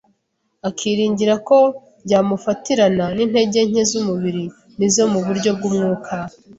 akiringira ko yamufatirana n’intege nke z’umubiri n’izo mu buryo bw’umwuka